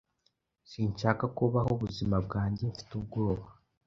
Sinshaka kubaho ubuzima bwanjye mfite ubwoba.